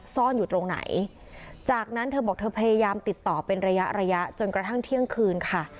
ซ่อนอยู่ตรงไหนจากนั้นเธอบอกเธอพยายามติดต่อเป็นระยะระยะจนกระทั่งเที่ยงคืนค่ะ